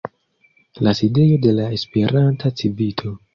la sidejo de la Esperanta Civito.